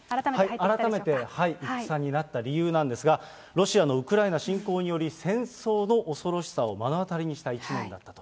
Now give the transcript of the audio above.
改めて戦になった理由なんですが、ロシアのウクライナ侵攻により、戦争の恐ろしさを目の当たりにした一年だったと。